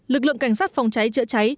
lực lượng cảnh sát phòng cháy chữa cháy